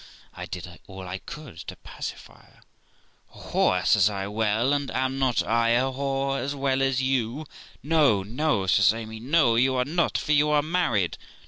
I did all I could to pacify her. ' A whore !' says I. ' Well, and am not I a whore as well as you?' 'No, no', says Amy; 'no, you are not, for you are married.'